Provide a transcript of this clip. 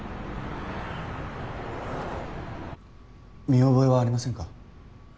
見覚えはありませんか？